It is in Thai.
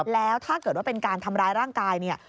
แล้วถ้าเกิดว่าเป็นการทำร้ายร่างกายเนี่ย